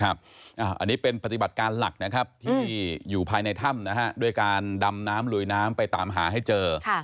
อันนี้เป็นปฏิบัติการหลักนะครับที่อยู่ภายในถ้ำด้วยการดำน้ำลุยน้ำไปตามหาให้เจอ